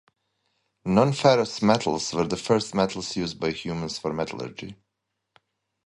Non-ferrous metals were the first metals used by humans for metallurgy.